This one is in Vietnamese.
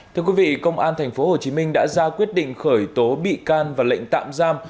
thưa quý vị công an tp hcm đã ra quyết định khởi tố bị can và lệnh tạm giam